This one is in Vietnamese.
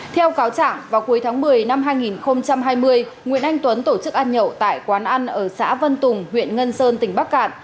theo cáo trạng vào cuối tháng một mươi năm hai nghìn hai mươi nguyễn anh tuấn tổ chức ăn nhậu tại quán ăn ở xã vân tùng huyện ngân sơn tỉnh bắc cạn